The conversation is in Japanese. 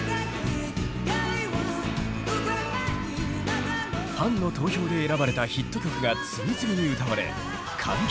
ファンの投票で選ばれたヒット曲が次々に歌われ観客を魅了します。